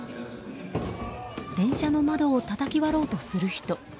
電車の窓をたたき割ろうとする人。